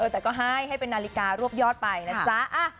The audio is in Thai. แต่ก็ให้ให้เป็นนาฬิการวบยอดไปนะจ๊ะ